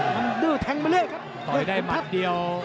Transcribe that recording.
มันมีดื้อแทงมะเร็กถอยได้หมัดเดียว